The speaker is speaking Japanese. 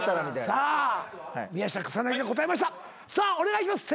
さあお願いします。